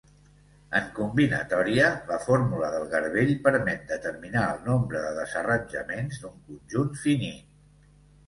En combinatòria, la fórmula del garbell permet determinar el nombre de desarranjaments d'un conjunt finit.